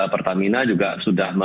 pertamina juga sudah